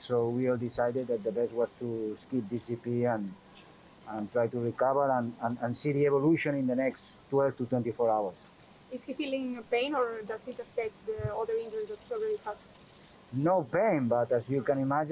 tidak sakit tapi seperti yang anda bayangkan setelah saya berpikir dia memiliki tiga kecepatan kuat pada siang